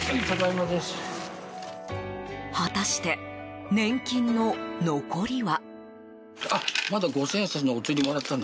果たして、年金の残りは？